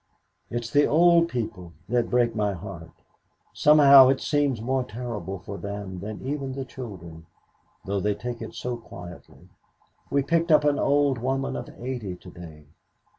It's the old people that break my heart. Somehow it seems more terrible for them than even the children, though they take it so quietly. We picked up an old woman of eighty to day.